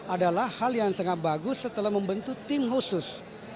adalah hal yang sangat bagus setelah membentuk tim khusus